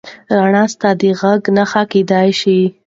رڼا ستا د غږ نښه کېدی شي.